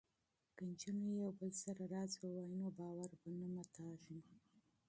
که نجونې یو بل سره راز ووايي نو باور به نه وي مات.